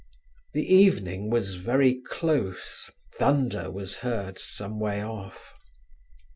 The evening was very close; thunder was heard some way off.